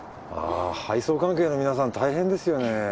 あ配送関係の皆さん大変ですよね。